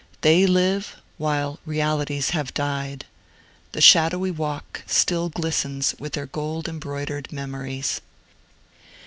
They live, while realities have died. The shadowy walk still glistens with their gold embroidered memories.